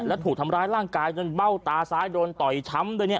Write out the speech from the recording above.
และถูกทำร้ายร่างกายจนเบ้าตาซ้ายโดนต่อยช้ำด้วยเนี่ย